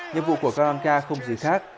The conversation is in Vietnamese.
nhiệm vụ của karanka không gì khác